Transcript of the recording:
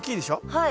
はい。